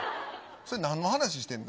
それ、なんの話してんの？